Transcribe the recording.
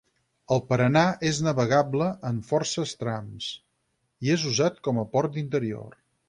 El Paraná és navegable en forces trams, i és usat com a port d'interior.